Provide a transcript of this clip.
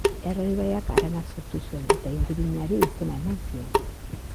Erro ibaiak harana sortu zuen eta inguruneari izena eman zion.